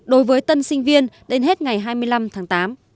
đối với tân sinh viên đến hết ngày hai mươi năm tháng tám